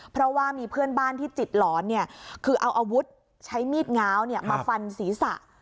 เพราะว่ามีเพื่อนบ้านที่จิตหลอนเนี่ยคือเอาอาวุธใช้มีดง้าวมาฟันศีรษะ